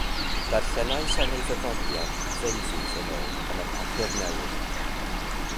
Darllenais am ei ddyfodiad ddeuddydd yn ôl yn y papur newydd.